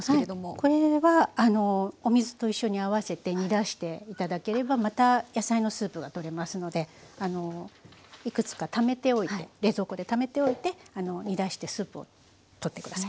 これはお水と一緒に合わせて煮出していただければまた野菜のスープが取れますのでいくつかためておいて冷蔵庫でためておいて煮出してスープを取って下さい。